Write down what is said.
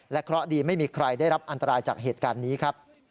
เพราะดีไม่มีใครได้รับอันตรายจากเหตุการณ์นี้ครับ